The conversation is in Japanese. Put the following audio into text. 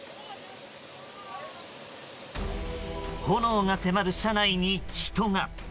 炎が迫る車内に人が。